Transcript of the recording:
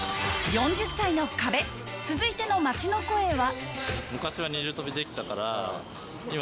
「４０歳の壁」続いての街の声は？